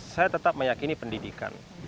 saya tetap meyakini pendidikan